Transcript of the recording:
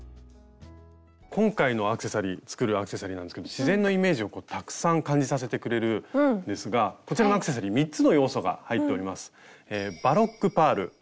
今回の作るアクセサリーなんですけど自然のイメージをたくさん感じさせてくれるんですがこちらのアクセサリー３つの要素が入っております。